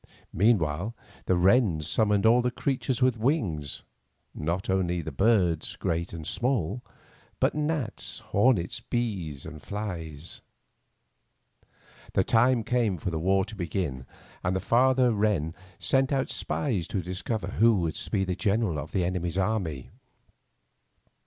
Mean while, the wrens summoned all the creatures with wings — not only the birds, great and small, but gnats, hornets, bees, and flies. The time came for the war to begin, and the father wren sent out spies to discover who was to be the general of the enemy's army.